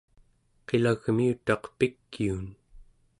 qilagmiutaq pikiun